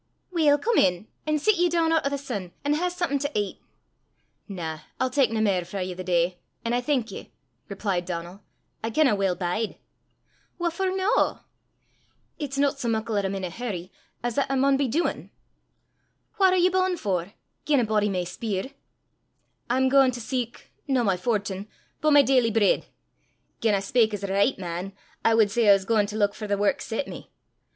"Weel, come in, an' sit ye doon oot o' the sin, an' hae something to ait." "Na, I'll tak nae mair frae ye the day, an' I thank ye," replied Donal; "I canna weel bide." "What for no?" "It's no sae muckle 'at I'm in a hurry as 'at I maun be duin'." "Whaur are ye b'un' for, gien a body may speir?" "I'm gaein' to seek no my fortin, but my daily breid. Gien I spak as a richt man, I wad say I was gaein' to luik for the wark set me.